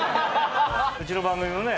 うちの番組もね